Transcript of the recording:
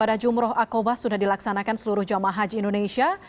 pada jumroh akobah sudah dilaksanakan seluruh jomah haji indonesia